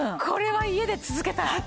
これは家で続けたい。